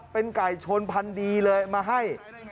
เป็นไก่ชนพันดีเลยมาให้